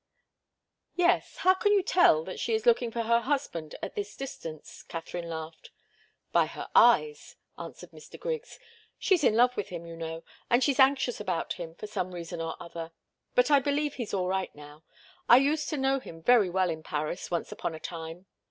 "Yes. How can you tell that she is looking for her husband at this distance?" Katharine laughed. "By her eyes," answered Mr. Griggs. "She's in love with him, you know and she's anxious about him for some reason or other. But I believe he's all right now. I used to know him very well in Paris once upon a time.